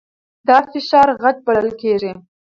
دا فشار خج بلل کېږي.